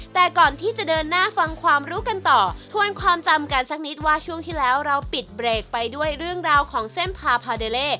แต่ก่อนที่จะเดินหน้าฟังความรู้กันต่อทวนความจำกันสักนิดว่าช่วงที่แล้วเราปิดเบรกไปด้วยเรื่องราวของเส้นพาพาเดเล่